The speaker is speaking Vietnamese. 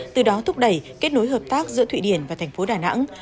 từ đó thúc đẩy kết nối hợp tác giữa thụy điển và thành phố đà nẵng